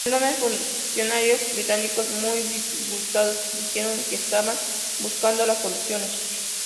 En Londres, funcionarios británicos muy disgustados, dijeron que estaban buscando las soluciones.